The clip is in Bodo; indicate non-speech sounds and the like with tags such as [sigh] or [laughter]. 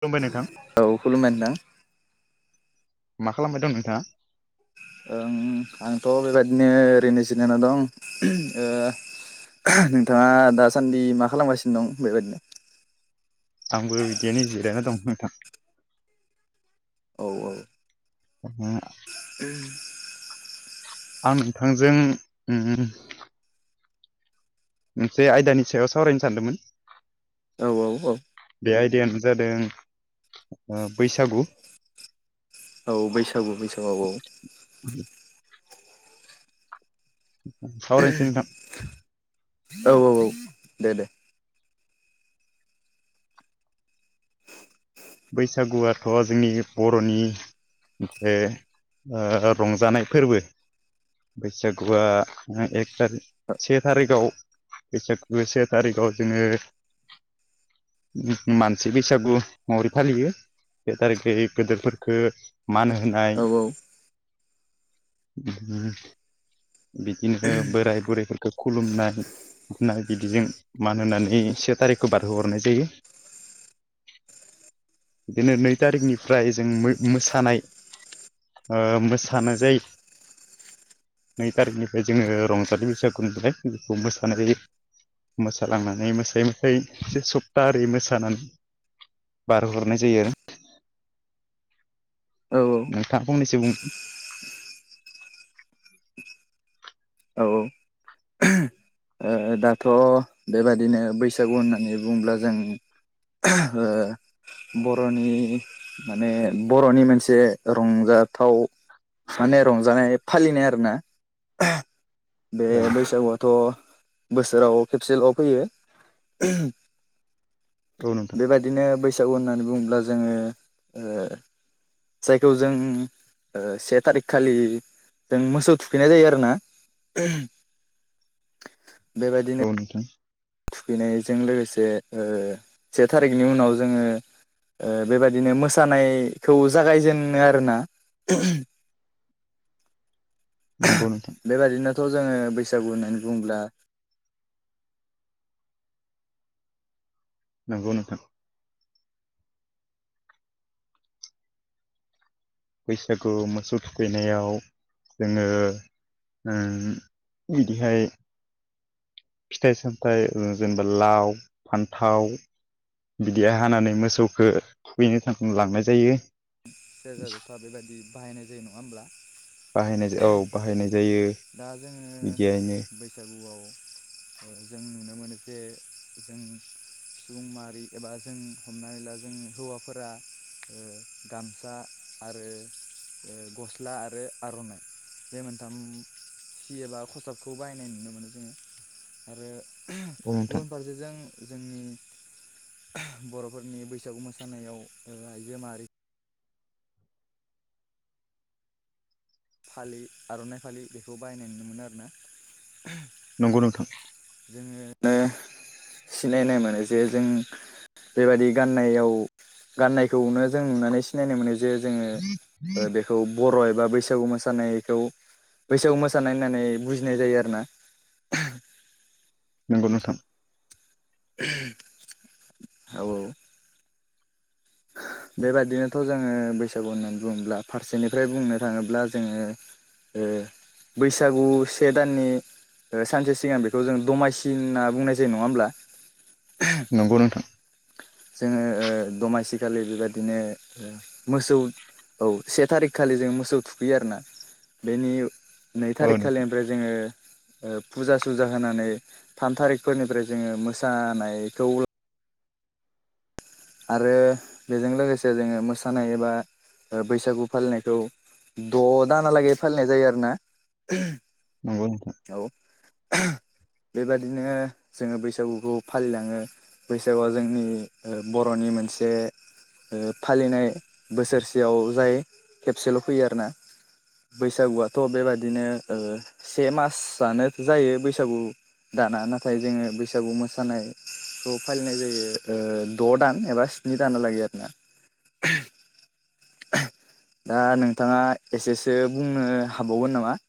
खुलुमबाय नोंथां औ खुलुमबाय नोंथां मा खालामबाय दं नोंथाङा ओं आंथ' बेबायदिनो ओरैनोजिराना दं ओ। नोंथाङा दासान्दि मा खालामगासिनो दं बेबायदिनो आंबो बिदिनो जिरायना दं नोंथां औ औ [unintelligible] उम आं नोंथांजों उम मोनसे आयदानि सायाव सावरायनो सानदोंमोन औ औ औ बे आयदायानो जादों बैसागु औ बैसागु बैसागु औ औ [inaudible] सावरायनोसै नोंथां औ औ औ दे दे बैसागुआथ' जोंनि बर'नि ए रंजानाय फोरबो बैसागुआ एक थारिख से थारिखाव बैसागुखो से थारिखआव जोंङो मानसि बैसागु महरै फालियो बे थारिखै गोदोरफोरखौ मान होनाय औ बिदिनो बोराय बुरैफोरखौ खुलुमनाय बिदिजों मान होनानै से थारिखखौ बारहोहरनाय जायो। बिदिनो नै थारिखनिफ्राय जों मोसानाय ओ मोसानो जायो नै थारिखनिफ्राय जोंङो रंजालि बैसागु नुबाय बेखौ मोसानाय जायो। मोसालांनानै मोसायै मोसायै से सप्ताह ओरै मोसानानै हरनाय जायो। औ नोंथाङा फंनैसो बुं औ औ दाथ' बेबादिनो बैसागु होननानै बुङोब्ला जों ओ बर'नि माने बर'नि मोनसे रंजाथाव माने रंजानाय फालिनाय आरोना बे ओं बैसागुआथ' बोसोराव खेबसेल' फैयो औ नोंथां बेबाय दिनो बैसागु होननानै बुङोब्ला जोंङो जायखौ जों से थारिख खालि जों मोसौ थुखैनाय जायो आरोना। बेबायदि अ नोंथां थुखैनायजों लोगोसे ओ से थारिखनि उनाव जोंङो ओ बेबायदिनो मोसानायखौ जागायजेनो आरोना नंगौ नोंथां बेबायदिनोथ' जोंङो बैसागु होननानै बुङोब्ला नंगौ नोंथां बैसागु मोसौ थुखैनायाव जोंङो ओ बिदिहाय फिथाइ सामथाइ ओ जेनेबा लाव फान्थाव बिदिया हानानै मोसौखौ थुखैनो थाखाय लांनाय जायो। सेरजा ज'था बेबायदि बाहायनाय जायो नङा होमब्ला बाहायनाय औ बाहायनाय जायो दा जोङो बिदियायनो बैसागुआव जों नुनो मोनो जे जों सुबुं माहारि एबा जों हमनानै ला जों हौवाफोरा गामसा आरो ओ गस्ला आरो आरनाइ बे मोनथाम सि एबा खसाबखौ बायनाय नुनो मोनो जोङो आरो औ नोंथां गुबुन फारसेजों जोंनि बर'फोरनि बैसागु मोसानायाव ओ आइजो माहारि फालि आर'नाइ फालि बेखौ बाहायनाय नुनो मोनो आरोना। नंगौ नोंथां जोङो सिनायनाय मोनो जे जों बेबायदि गाननायाव गाननायखौनो जों नुनानै सिनायनो मोनो जे जोङो ओ बेखौ बर' एबा बै सागु मोसानायखौ बैसागु मोसानाय होननानै बुजिनाय जायो आरो ना। नंगौ नोंथां औ औ बेबायदिनोथ' जोङो बैसागु होननानै बुङोब्ला फारसेनिफ्राय बुंनो थाङोब्ला जोङो ओ बैसागु से दाननि ओ सानसे सिगां बेखौ जों दमासि होनना बुंनाय जायो नङा होमब्ला? नंगौ नोंथां जोङो ओ दमासिखालि बेबादिनो मोसौ औ से थारिखखालि जों मोसौ थुखैयो आरोना बेनि नै औ थारिख नोंथां खालिनिफ्राय जोङो ओ फुजा सुजा होनानै थाम थारिखफोरनिफ्राय जोङो मोसानायखौ आरो बेजों लोगोसे जोङो मोसानाय एबा ओ बैसागु फालिनायखौ द' दानालागै फालिनाय जायो आरो ना। नंगौ नोंथां औ बेबादिनो जोङो बैसागुखौ फालिलाङो बैसागुआ जोंनि ओ बर'नि मोनसे ओ फालिनाय बोसोरसेयाव जाय खेबसेल' फैयो आरो ना। बैसागुआथ' बेबादिनो ओ से मासआनो जायो बैसागु दाना नाथाय जोङो बैसागु मोसानायखौ फालिनाय जायो ओ द' दान एबा स्नि दानआलागै आरोना। दा नोंथाङा एसेसो बुंनो हाबावगोन नामा?